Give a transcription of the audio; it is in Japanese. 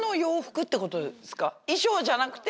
衣装じゃなくて？